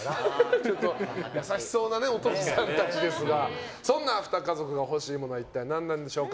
ちょっと優しそうなお父さんたちですがそんな２家族が欲しいものは何なのでしょうか。